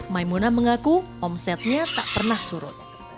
maimuna mengaku omsetnya tak pernah surut